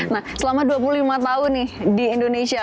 nah selama dua puluh lima tahun nih di indonesia